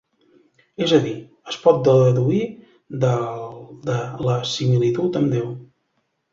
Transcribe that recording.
És a dir, es pot deduir del de la similitud amb Déu.